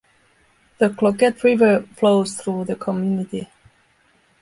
The Cloquet River flows through the community.